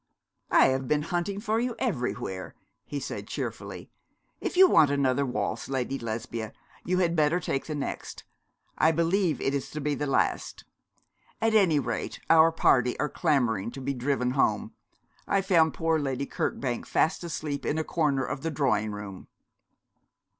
'I have been hunting for you everywhere,' he said, cheerfully. 'If you want another waltz, Lady Lesbia, you had better take the next. I believe it is to be the last. At any rate our party are clamouring to be driven home. I found poor Lady Kirkbank fast asleep in a corner of the drawing room.'